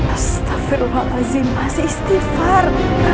astaghfirullahaladzim mas istighfar